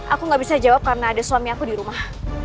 aku gak bisa jawab karena ada suami aku di rumah